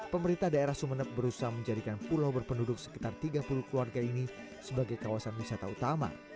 pemerintah daerah sumeneb berusaha menjadikan pulau berpenduduk sekitar tiga puluh keluarga ini sebagai kawasan wisata utama